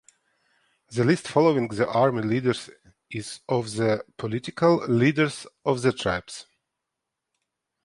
The list following the army leaders is of the (political) leaders of the tribes.